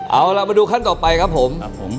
เอาล่ะมาดูขั้นต่อไปครับผม